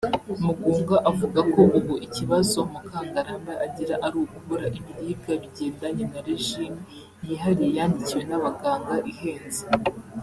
Mugunga avuga ko ubu ikibazo Mukangarambe agira ari ukubura ibiribwa bigendanye na ‘regime’ yihariye yandikiwe n’abaganga ihenze